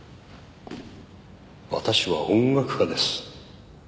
私は音楽家です。